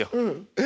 えっ！？